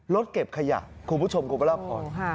รถเก็บขยะผู้ชมขอบคุณรับผ่อน